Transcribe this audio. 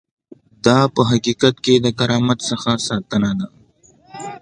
دا په حقیقت کې د کرامت څخه ساتنه ده.